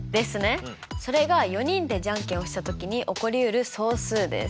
それが４人でじゃんけんをしたときに起こりうる総数です。